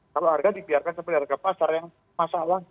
kalau harga dibiarkan seperti harga pasar yang masalah